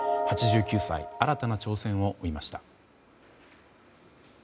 ８９歳、新たな挑戦を追いました。